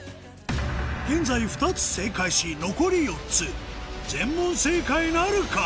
現在２つ正解し残り４つ全問正解なるか？